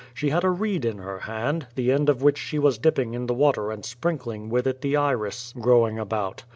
She had a reed in her hand, the end of which she was dip ping in the water and sprinkling with it the iris growing about.